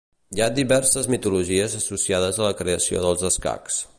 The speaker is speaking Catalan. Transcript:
Hi ha diverses mitologies associades a la creació dels escacs.